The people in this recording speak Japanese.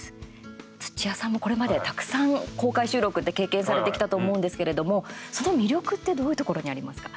土屋さんもこれまで、たくさん公開収録って経験されてきたと思うんですけれどもその魅力ってどういうところにありますか？